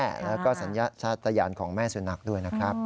แล้วก็สัญชาติยานของแม่สุนัขด้วยนะครับ